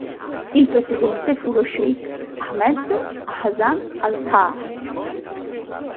Il presidente fu lo sheikh Ahmed Hasan al-Taha.